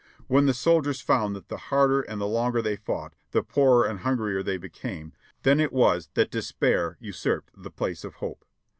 When the soldiers found that the harder and the longer they fought, the poorer and hungrier they became, then it was that de spair usurped the place of hope.